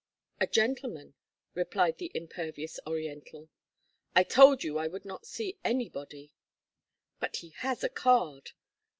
"A gentleman," replied the impervious Oriental. "I told you I would not see anybody." "But he has a card."